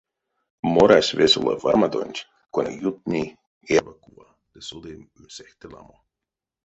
Морась весёла вармадонть, кона ютни эрьва кува ды соды сехте ламо.